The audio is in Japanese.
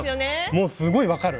もうすごい分かる。